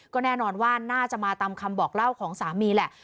ก็แน่นอนว่าน่าจะมาตามคำบอกเล่าของสามีแหละ